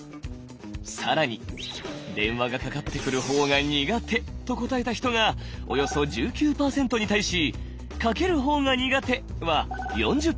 更に「電話がかかってくる方が苦手」と答えた人がおよそ１９％に対し「かける方が苦手」は４０％。